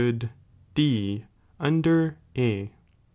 good D under A.